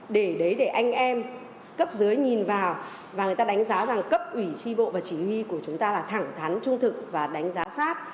để đấy để anh em cấp dưới nhìn vào và người ta đánh giá rằng cấp ủy tri bộ và chỉ huy của chúng ta là thẳng thắn trung thực và đánh giá khác